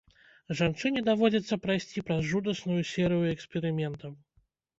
Жанчыне даводзіцца прайсці праз жудасную серыю эксперыментаў.